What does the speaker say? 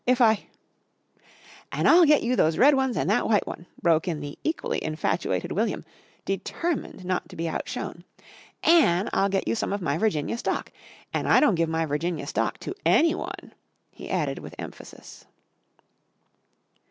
If I " "An' I'll get you those red ones and that white one," broke in the equally infatuated William, determined not to be outshone. "An' I'll get you some of my Virginia Stock. An' I don't give my Virginia Stock to anyone," he added with emphasis.